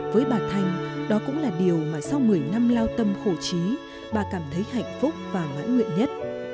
với bà thanh đó cũng là điều mà sau một mươi năm lao tâm khổ trí bà cảm thấy hạnh phúc và mãn nguyện nhất